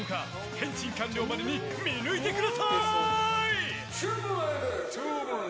変身完了までに見抜いてください！